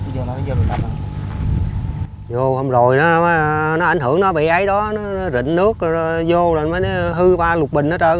vô hôm rồi nó ảnh hưởng nó bị ấy đó nó rịnh nước vô rồi nó hư ba lục bình hết trơn